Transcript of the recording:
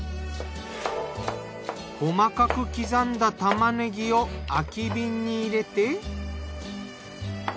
細かく刻んだ玉ねぎを空き瓶に入れて。